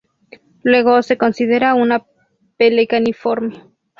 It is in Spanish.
Luego se considera una pelecaniforme.